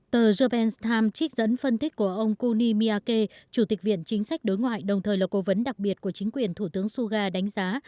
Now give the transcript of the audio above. tờ japan times trích dẫn phân thích của ông kuni miyake chủ tịch viện chính sách đối ngoại đồng thời là cố vấn đặc biệt của chính quyền thủ tướng suga đánh giá